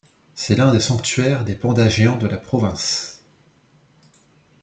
C'est l'un des sanctuaires des pandas géants de la province.